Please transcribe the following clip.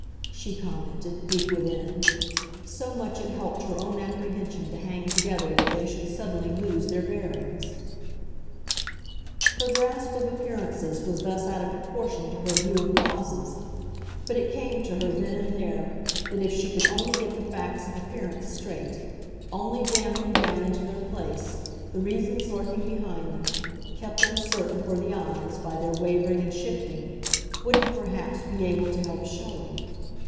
she commented, deep within; so much it helped her own apprehension to hang together that they should suddenly lose their bearings. Her grasp of appearances was thus out of proportion to her view of causes; but it came to her then and there that if she could only get the facts of appearance straight, only jam them down into their place, the reasons lurking behind them, kept uncertain, for the eyes, by their wavering and shifting, wouldn't perhaps be able to help showing.